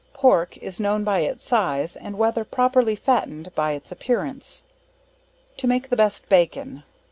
Pork, is known by its size, and whether properly fattened by its appearance. To make the best Bacon.